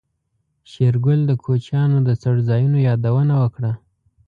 شېرګل د کوچيانو د څړځايونو يادونه وکړه.